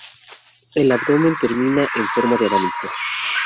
El abdomen termina en forma de abanico.